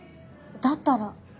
だったら。